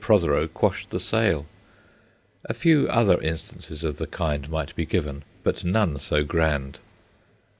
Protheroe quashed the sale. A few other instances of the kind might be given but none so grand.